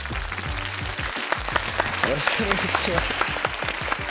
よろしくお願いします。